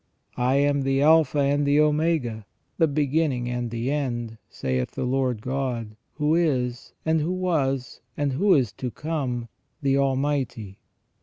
" I am the Alpha and the Omega, the beginning and the end, saith the Lord God, who is, and who was, and who is to come, the Almighty."